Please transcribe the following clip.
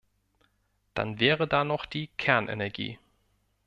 Dann wäre da noch die Kernenergie.